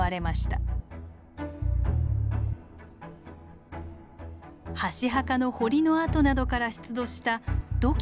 箸墓の堀の跡などから出土した土器の破片を調査。